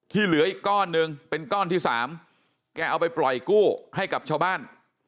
เหลืออีกก้อนหนึ่งเป็นก้อนที่สามแกเอาไปปล่อยกู้ให้กับชาวบ้าน